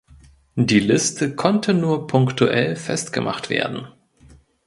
Die Liste konnte nur punktuell festgemacht werden.